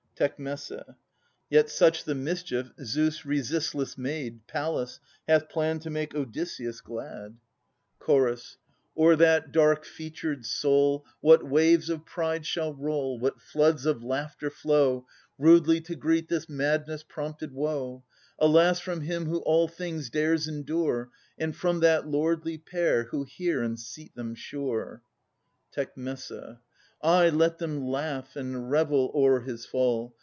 Tec. Yet such the mischief Zeus' resistless maid, Pallas, hath planned to make Odysseus glad. 86 Atas [954 982 Ch. O'er that dark featured soul What waves of pride shall roll, What floods of laughter flow, Rudely to greet this madness prompted woe, Alas ! from him who all things dares endure, And from that lordly pair, who hear, and seat them sure! Tec. Ay, let them laugh and revel o'er his fall.